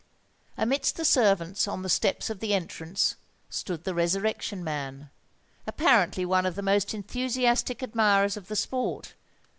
Amidst the servants on the steps of the entrance stood the Resurrection Man, apparently one of the most enthusiastic admirers of the sport.